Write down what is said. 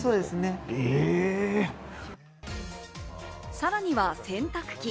さらには洗濯機。